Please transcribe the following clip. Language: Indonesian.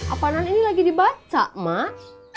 apaanan ini lagi dibaca mas